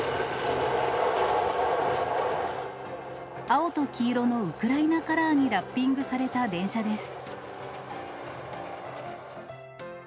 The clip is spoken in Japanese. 青と黄色のウクライナカラーにラッピングされた電車です。